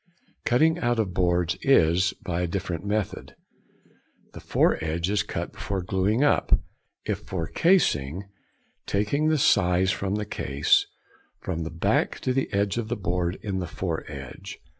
"Cutting out of boards" is by a different method. The foredge is cut before gluing up, if for casing, taking the size from the case, from the back to the edge of the board in the foredge.